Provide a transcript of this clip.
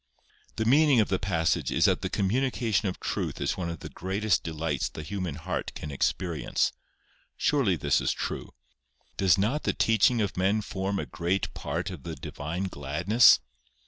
The meaning of the passage is that the communication of truth is one of the greatest delights the human heart can experience. Surely this is true. Does not the teaching of men form a great part of the divine gladness?